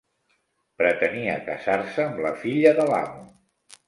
Pretenia casar-se amb la filla de l'amo.